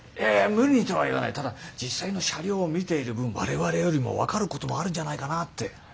ただ実際の車両を見ている分我々よりも分かることもあるんじゃないかなって。